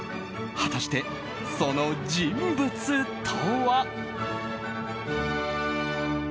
果たして、その人物とは。